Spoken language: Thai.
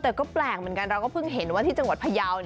แต่ก็แปลกเหมือนกันเราก็เพิ่งเห็นว่าที่จังหวัดพยาว